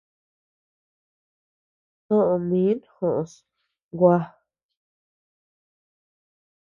Soʼö min joʼos, gua.